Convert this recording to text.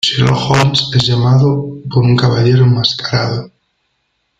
Sherlock Holmes es llamado por un caballero enmascarado.